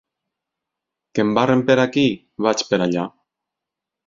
Que em barren per aquí, vaig per allà.